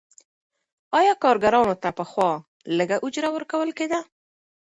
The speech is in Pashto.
آیا کارګرانو ته پخوا لږه اجوره ورکول کیده؟